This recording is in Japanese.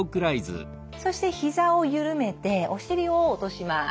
そしてひざを緩めてお尻を落とします。